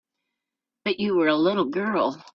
But you were a little girl.